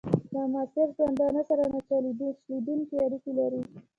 له معاصر ژوندانه سره نه شلېدونکي اړیکي لري.